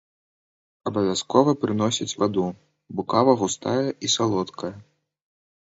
Абавязкова прыносяць ваду, бо кава густая і салодкая.